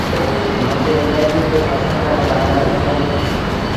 مآݩجي الآڪي ري ڦسلآن رآ نآلآ اي اهيݩ ۔